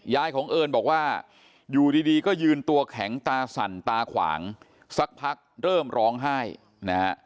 ของเอิญบอกว่าอยู่ดีก็ยืนตัวแข็งตาสั่นตาขวางสักพักเริ่มร้องไห้นะฮะ